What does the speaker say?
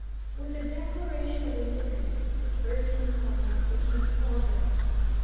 With the Declaration of Independence the thirteen colonies became sovereigns.